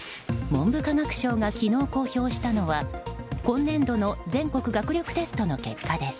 文部科学省が昨日公表したのは今年度の全国学力テストの結果です。